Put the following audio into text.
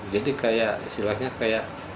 jadi istilahnya kayak